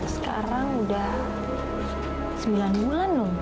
sekarang udah sembilan bulan dong